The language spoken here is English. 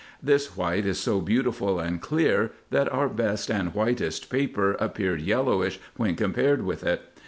This white is so beautiful and clear, that our best and whitest paper appeared yellowish when compared with it.